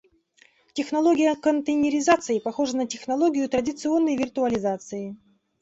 Технология контейнеризации похожа на технологию традиционной виртуализации